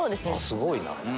すごいな。